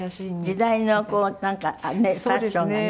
時代のこうなんかファッションがね。